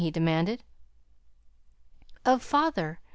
he demanded. "Of father.